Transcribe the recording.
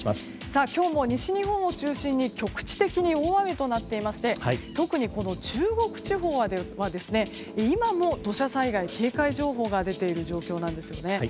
今日も西日本を中心に局地的に大雨となっていまして特に中国地方は今も土砂災害警戒情報が出ている状況なんですよね。